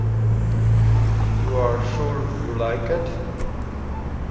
You are sure you liked.